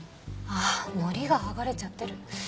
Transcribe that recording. あっのりがはがれちゃってる。